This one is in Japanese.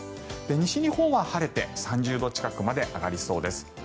西日本は晴れて３０度近くまで上がりそうです。